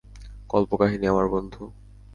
কল্পকাহিনী, আমার বন্ধু।